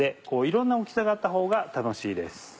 いろんな大きさがあったほうが楽しいです。